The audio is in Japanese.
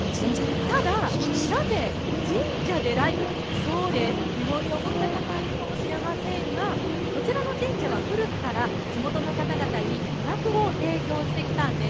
ただ、なぜ神社でライブ、疑問に思った方、いるかもしれませんがこちらの神社は古くから地元の方々に娯楽を提供してきたんです。